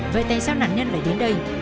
vậy tại sao nạn nhân lại đến đây